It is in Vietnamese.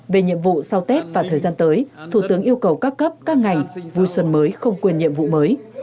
về nhiệm vụ sau tết và thời gian tới thủ tướng yêu cầu các cấp các ngành vui xuân mới không quyền nhiệm vụ mới